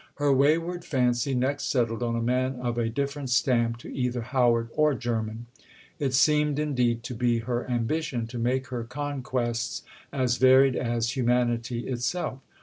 Her wayward fancy next settled on a man of a different stamp to either Howard or Jermyn. It seemed, indeed, to be her ambition to make her conquests as varied as humanity itself.